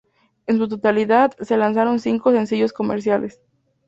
En su totalidad, se lanzaron cinco sencillos comerciales.